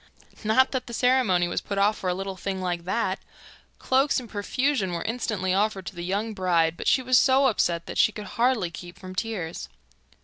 Not that the ceremony was put off for a little thing like that! Cloaks in profusion were instantly offered to the young bride, but she was so upset that she could hardly keep from tears.